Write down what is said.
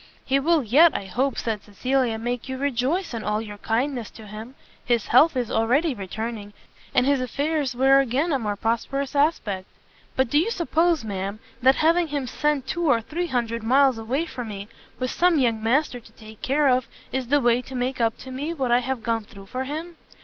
"He will yet, I hope," said Cecilia, "make you rejoice in all your kindness to him; his health is already returning, and his affairs wear again a more prosperous aspect." "But do you suppose, ma'am, that having him sent two or three hundred miles away from me; with some young master to take care of, is the way to make up to me what I have gone through for him?